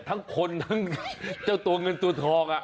ทั้งคนทั้งเจ้าตัวเงินตัวทอง